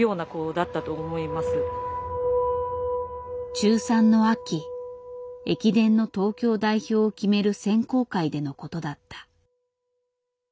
中３の秋駅伝の東京代表を決める選考会でのことだった。